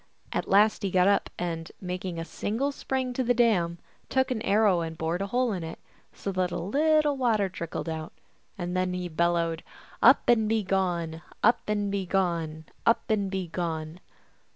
At last he got up, and, making a single spring to the dam, took an arrow and bored a hole in it, so that a little water trickled out, and then he bellowed, " Up and begone ! Up and begone ! Up and begone